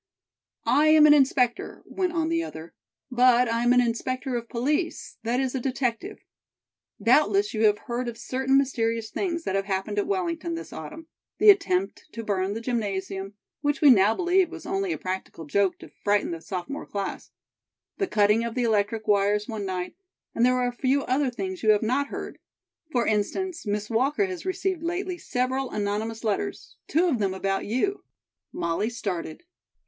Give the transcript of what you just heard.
"I am an inspector," went on the other, "but I am an inspector of police, that is, a detective. Doubtless you have heard of certain mysterious things that have happened at Wellington this autumn; the attempt to burn the gymnasium, which we now believe was only a practical joke to frighten the sophomore class; the cutting of the electric wires one night, and there are a few other things you have not heard; for instance, Miss Walker has received lately several anonymous letters two of them about you " Molly started.